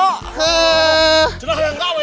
cedah enggak weh